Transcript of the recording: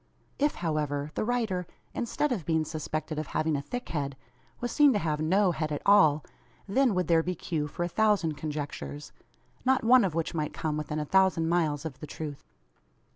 If, however, the rider, instead of being suspected of having a thick head, was seen to have no head at all, then would there be cue for a thousand conjectures, not one of which might come within a thousand miles of the truth.